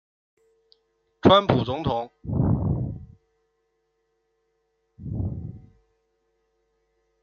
许许多多的可能性